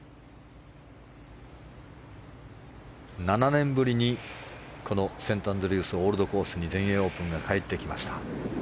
７年ぶりにセントアンドリュースオールドコースに全英オープンが帰ってきました。